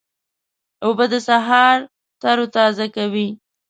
اوبه د سهار تروتازه کوي.